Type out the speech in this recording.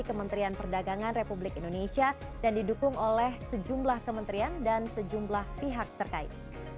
kementerian perdagangan republik indonesia dan didukung oleh sejumlah kementerian dan sejumlah pihak terkait